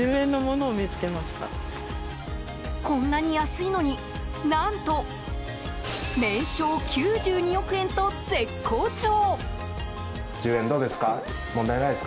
こんなに安いのに何と、年商９２億円と絶好調！